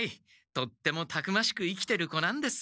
とってもたくましく生きてる子なんです。